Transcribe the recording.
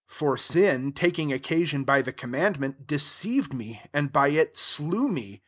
11 For sin, tak ing occasion by the command ment, deceived me, and by it slew me.